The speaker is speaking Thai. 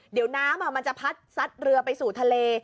เดี๋ยวน้ำมันจะพัดซัดเรือไปสู่ทะเล